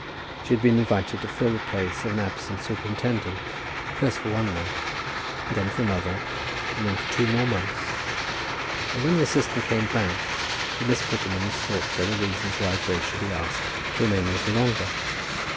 She had been invited to fill the place of an absent superintendent, first for one month, then for another, and then for two more months; and when the assistant came back, the Miss Prettymans thought there were reasons why Grace should be asked to remain a little longer.